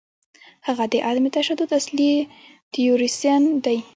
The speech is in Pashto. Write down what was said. هغه د عدم تشدد اصلي تیوریسن دی.